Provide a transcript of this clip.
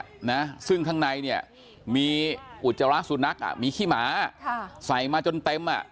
เอาขันน้ำซึ่งข้างในมีอุจจาระสุนัขมีขี้หมาใส่มาจนเต็ม